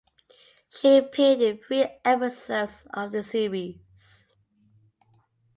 She appeared in three episodes of the series.